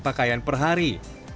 pakaian per hari